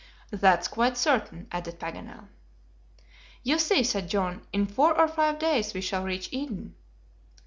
"That's quite certain," added Paganel. "You see," said John, "in four or five days we shall reach Eden."